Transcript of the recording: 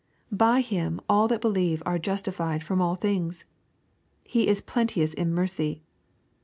'' By Him all that be lieve are justified from all things." —" He is plenteous in mercy."